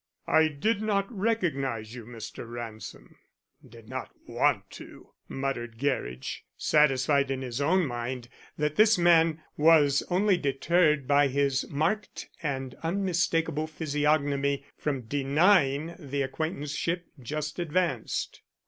I did not recognize you, Mr. Ransom." "Did not want to," muttered Gerridge, satisfied in his own mind that this man was only deterred by his marked and unmistakable physiognomy from denying the acquaintanceship just advanced.